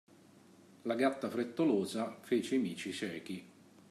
La gatta frettolosa fece i mici ciechi